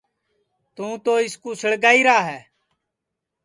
توں تو اِس کُو سِݪگائیرا ہے